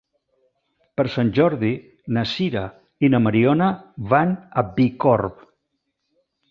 Per Sant Jordi na Sira i na Mariona van a Bicorb.